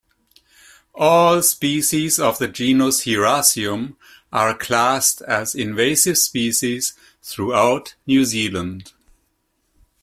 All species of the genus "Hieracium" are classed as invasive species throughout New Zealand.